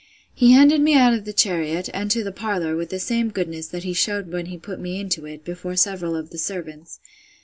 He handed me out of the chariot, and to the parlour, with the same goodness, that he shewed when he put me into it, before several of the servants.